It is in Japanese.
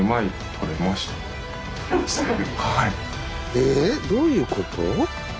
えどういうこと？